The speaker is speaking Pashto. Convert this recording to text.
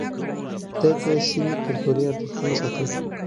ده د سيمې کلتوري ارزښتونه ساتل.